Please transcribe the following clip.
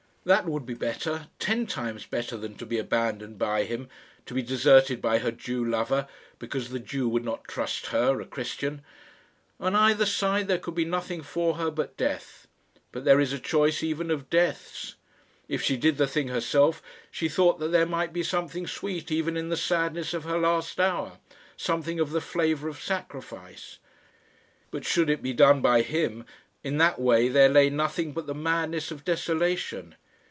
That would be better ten times better than to be abandoned by him to be deserted by her Jew lover, because the Jew would not trust her, a Christian! On either side there could be nothing for her but death; but there is a choice even of deaths. If she did the thing herself, she thought that there might be something sweet even in the sadness of her last hour something of the flavour of sacrifice. But should it be done by him, in that way there lay nothing but the madness of desolation!